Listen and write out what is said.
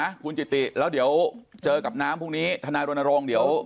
นะคุณจิติแล้วเดี๋ยวเจอกับน้ำพรุ่งนี้